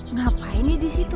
ngapain ya di situ